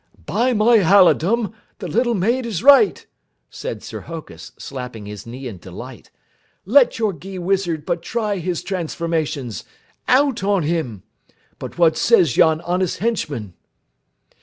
"By my Halidom, the little maid is right!" said Sir Hokus, slapping his knee in delight. "Let your Gheewizard but try his transformations! Out on him! But what says yon honest henchman?"